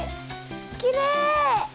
きれい！